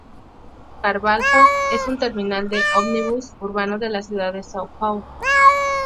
Carvalho es un terminal de ómnibus urbano de la ciudad de São Paulo.